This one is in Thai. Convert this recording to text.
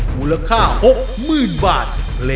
มูลค่า๖๐๐๐บาท